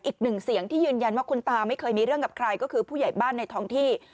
อีกหนึ่งเสียงที่ยืนยันว่าคุณตาไม่เคยมีเรื่องกับใครก็คือผู้ใหญ่บ้านในท้องที่